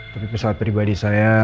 tapi pesawat pribadi saya